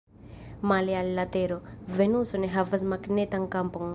Male al la Tero, Venuso ne havas magnetan kampon.